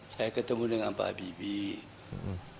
saya ketemu dengan pak habibie